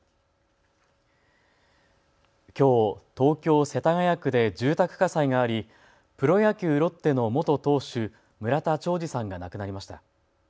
きょう東京世田谷区で住宅火災があり、プロ野球、ロッテの元投手、村田兆治さんが亡くなりました。